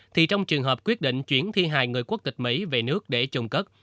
thì trong trường hợp quyết định chuyển thi hài người quốc tịch mỹ về nước để chôn cất